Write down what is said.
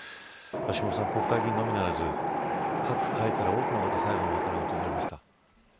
橋下さん、国会議員のみならず各界から、多くの方最後のお別れに訪れました。